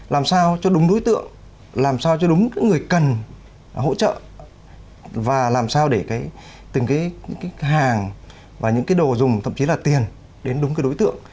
làm sao cho đúng đối tượng làm sao cho đúng người cần hỗ trợ và làm sao để cái từng cái hàng và những cái đồ dùng thậm chí là tiền đến đúng cái đối tượng